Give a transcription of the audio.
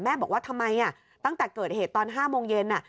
บอกว่าทำไมตั้งแต่เกิดเหตุตอน๕โมงเย็น